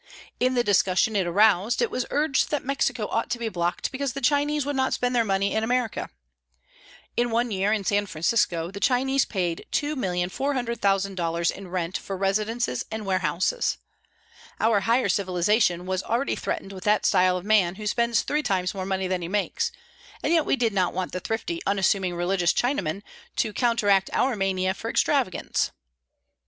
In the discussion it aroused it was urged that Mexico ought to be blocked because the Chinese would not spend their money in America. In one year, in San Francisco, the Chinese paid $2,400,000 in rent for residences and warehouses. Our higher civilisation was already threatened with that style of man who spends three times more money than he makes, and yet we did not want the thrifty unassuming religious Chinaman to counteract our mania for extravagance.